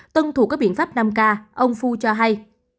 tân thủ các biện pháp năm k ông phu cho hay